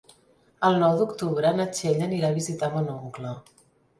El nou d'octubre na Txell anirà a visitar mon oncle.